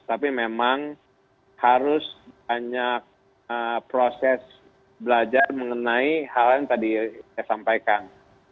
tapi memang harus banyak proses belajar mengenai hal yang tadi saya sampaikan